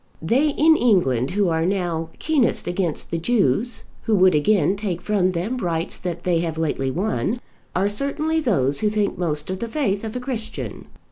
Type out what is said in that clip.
They in England who are now keenest against the Jews, who would again take from them rights that they have lately won, are certainly those who think most of the faith of a Christian.